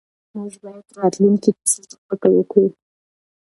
موږ باید راتلونکي نسل ته فکر وکړو.